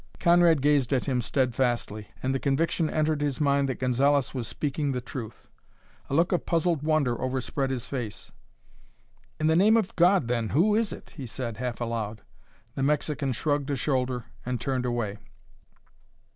Conrad gazed at him steadfastly, and the conviction entered his mind that Gonzalez was speaking the truth. A look of puzzled wonder overspread his face. "In the name of God, then, who is it?" he said, half aloud. The Mexican shrugged a shoulder and turned away.